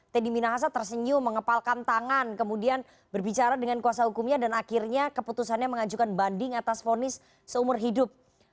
teddy minahasa tersenyum mengepalkan tangan kemudian berbicara dengan kuasa hukumnya dan akhirnya keputusannya mengajukan banding atas vonis seumur hidup